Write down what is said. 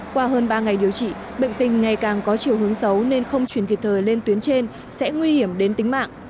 qua hơn ba ngày điều trị bệnh tình ngày càng có chiều hướng xấu nên không chuyển kịp thời lên tuyến trên sẽ nguy hiểm đến tính mạng